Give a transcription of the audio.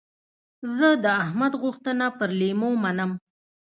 زه د احمد غوښتنه پر لېمو منم.